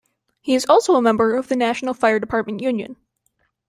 He is also a member of the National Fire Department Union.